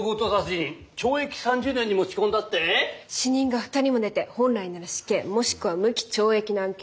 死人が２人も出て本来なら死刑もしくは無期懲役の案件。